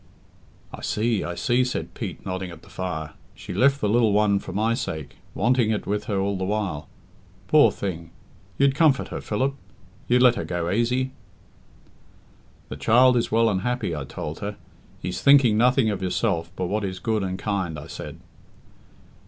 "I see, I see," said Pete, nodding at the fire; "she left the lil one for my sake, wanting it with her all the while. Poor thing! You'd comfort her, Philip? You'd let her go aisy?" "'The child is well and happy,' I told her. 'He's thinking nothing of yourself but what is good and kind,' I said."